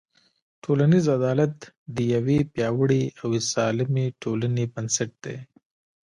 ټولنیز عدالت د یوې پیاوړې او سالمې ټولنې بنسټ دی.